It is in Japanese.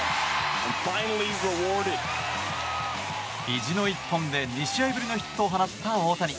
意地の一本で２試合ぶりのヒットを放った大谷。